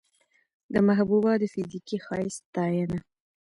د محبوبا د فزيکي ښايست ستاينه